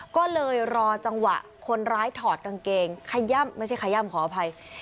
ก็เลยรอจังหวะคนร้ายถอดกางเกงขย่ำไม่ใช่ขย่ำขออภัย